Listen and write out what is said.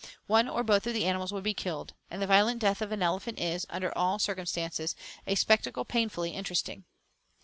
One or both of the animals would be killed; and the violent death of an elephant is, under all circumstances, a spectacle painfully interesting.